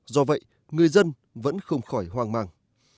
do vậy người dân vẫn không khỏi hoang mang